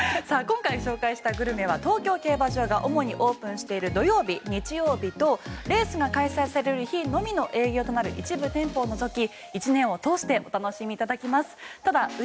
今回紹介したグルメは東京競馬場が主にオープンしている土曜日、日曜日とレースが開催される日のみの営業となる一部店舗を除き、１年を通してお楽しみいただけます。